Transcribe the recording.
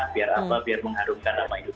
biar apa biar mengharumkan lama hidup